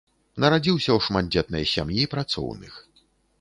Нарадзіўся ў шматдзетнай сям'і працоўных.